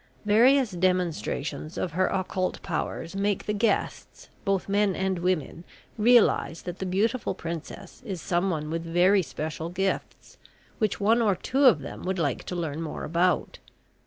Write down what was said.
Various demonstrations of her occult powers make the guests, both men and women, realise that the beautiful Princess is someone with very special gifts, which one or two of them would like to learn more about.